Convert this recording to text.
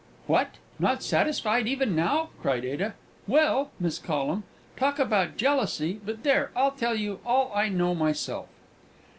"What! not satisfied even now?" cried Ada. "Well, Miss Collum, talk about jealousy! But, there, I'll tell you all I know myself."